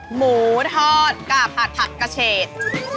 หมูทอดกับผัดผักกระเชษ